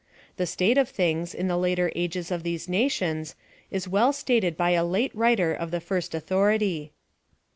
The state of things, in the later ages of these nations, is well stated by a iate writer of the first authority.